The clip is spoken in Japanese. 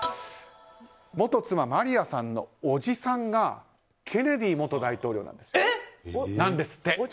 元妻マリアさんの伯父さんがケネディ元大統領なんです。